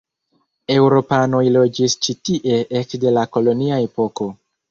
Eŭropanoj loĝis ĉi tie ekde la kolonia epoko.